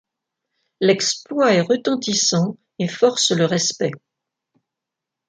L'exploit est retentissant, et force le respect.